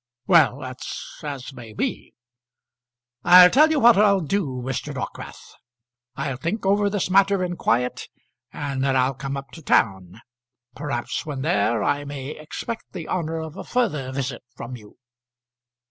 "Well; that's as may be. I'll tell you what I'll do, Mr. Dockwrath; I'll think over this matter in quiet, and then I'll come up to town. Perhaps when there I may expect the honour of a further visit from you."